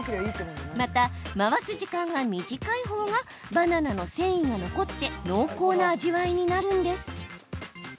また、回す時間が短いほうがバナナの繊維が残って濃厚な味わいになるんです。